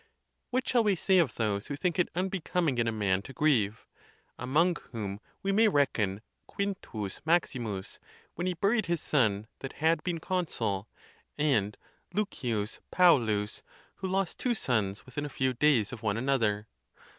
What shall we say of those who think it unbecoming in a man to grieve? among whom we may reckon Q. Maximus, when he buried his son that had been consul, and L. Pau lus, who lost two sons within a few days of one another.